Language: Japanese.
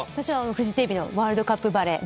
フジテレビのワールドカップバレー。